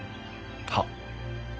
はっ。